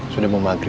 sudah mau magrib